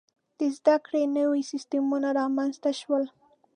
• د زده کړې نوي سیستمونه رامنځته شول.